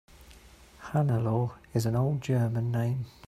Hannelore is an old German name.